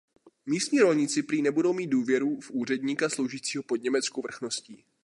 Místní rolníci prý nebudou mít důvěru v úředníka sloužícího pod německou vrchností.